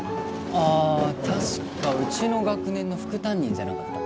あー確かうちの学年の副担任じゃなかった？